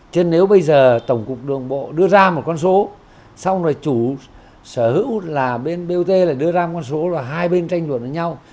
chứ nếu bây giờ tổng cục đường bộ đưa ra một con số xong rồi chủ sở hữu là bên bot là đưa ra một con số và hai bên tranh luận ở nhau